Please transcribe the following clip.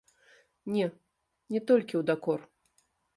Не, не толькі ў дакор.